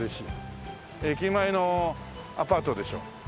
駅前のアパートでしょ。